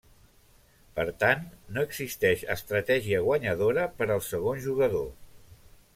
Per tant, no existeix estratègia guanyadora per al segon jugador.